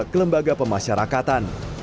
ke lembaga pemasyarakatan